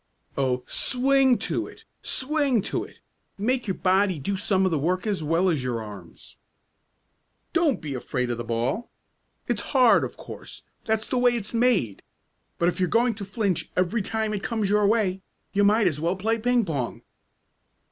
"Oh, swing to it! Swing to it! Make your body do some of the work as well as your arms!" "Don't be afraid of the ball! It's hard, of course, that's the way it's made. But if you're going to flinch every time it comes your way you might as well play ping pong!"